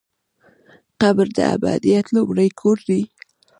قبر د ابدیت لومړی کور دی